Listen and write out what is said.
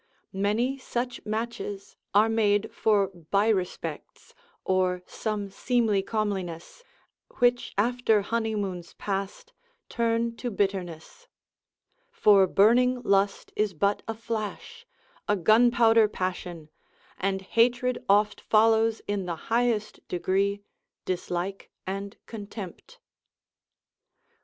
Many such matches are made for by respects, or some seemly comeliness, which after honeymoon's past, turn to bitterness: for burning lust is but a flash, a gunpowder passion; and hatred oft follows in the highest degree, dislike and contempt.